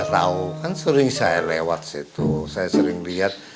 oh ya tahu kan sering saya lewat situ saya sering liat